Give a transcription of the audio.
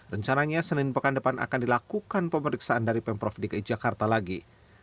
rencananya senin pekan depan akan dilakukan pemeriksaan dari pemprov dki jakarta lagi